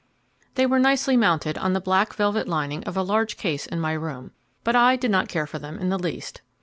They were nicely mounted on the black velvet lining of a large case in my room, but I did not care for them in the least.